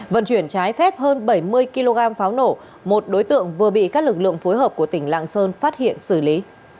vận chuyển trái phép hơn bảy mươi kg pháo nổ một đối tượng vừa bị các lực lượng phối hợp của tỉnh lạng sơn phát hiện xử lý